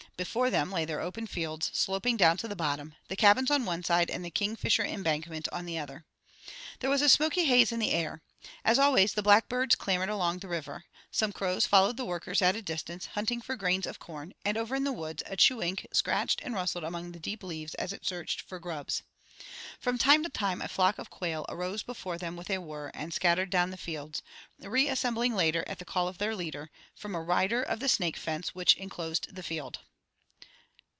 Before them lay their open fields, sloping down to the bottom, the cabins on one side, and the kingfisher embankment on the other. There was a smoky haze in the air. As always the blackbirds clamored along the river. Some crows followed the workers at a distance, hunting for grains of corn, and over in the woods, a chewink scratched and rustled among the deep leaves as it searched for grubs. From time to time a flock of quail arose before them with a whirr and scattered down the fields, reassembling later at the call of their leader, from a rider of the snake fence, which inclosed the field.